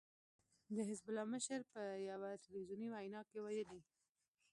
د حزب الله مشر په يوه ټلويزیوني وينا کې ويلي